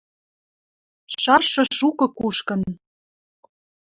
Шаршы шукы кушкын.